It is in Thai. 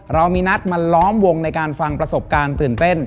เรามีนัดมาล้อมวงในการฟังประสบการณ์ตื่นเต้น